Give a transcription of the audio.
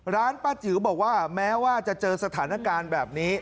ร้านป้าจิ๋วบอกว่าแม้ว่าจะเจอสถานการณ์แบบนี้